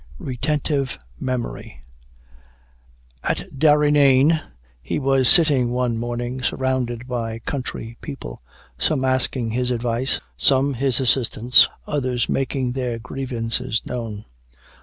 RETENTIVE MEMORY. At Darrynane, he was sitting one morning, surrounded by country people, some asking his advice, some his assistance, others making their grievances known.